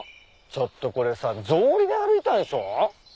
ちょっとこれさ草履で歩いたんでしょ？